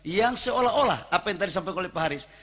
yang seolah olah apa yang tadi disampaikan oleh pak haris